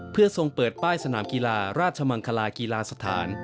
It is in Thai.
เพื่อทรงเปิดป้ายสนามกีฬาราชมังคลากีฬาสถาน